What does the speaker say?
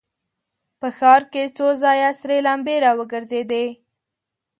په ښار کې څو ځايه سرې لمبې را وګرځېدې.